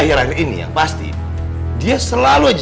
kalaupun iya apa iya andis orangnya